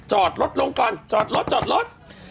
จอดรถลงก่อนจอดรถจอดรถ